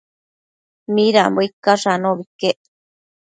Nidambo icash anobi iquec